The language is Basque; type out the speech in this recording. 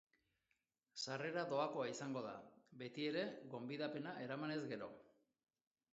Sarrera doakoa izango da, betiere, gonbidapena eramanez gero.